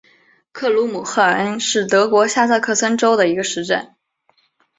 克鲁姆赫尔恩是德国下萨克森州的一个市镇。